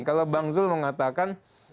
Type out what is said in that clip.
kalau bang zul mengatakan